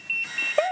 えっ？